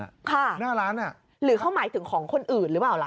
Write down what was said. ค่ะห้ามจอดข้างหน้าร้านน่ะหรือเขาหมายถึงของคนอื่นหรือเปล่าล่ะ